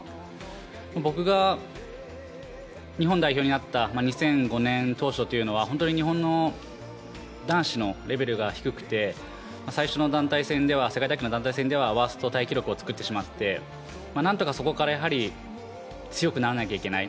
僕が日本代表になった２００５年当初というのは本当に日本の男子のレベルが低くて最初の団体戦では世界卓球の団体戦ではワーストタイ記録を作ってしまってなんとかそこから強くならなきゃいけない。